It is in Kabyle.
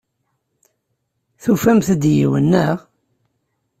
Tufamt-d yiwen, naɣ?